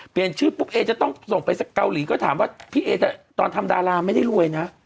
เปลี่ยนชื่อปุ๊บเอจะต้องส่งไปเกาหลีก็ถามว่าพี่เอตอนทำดาราไม่ได้รวยนะ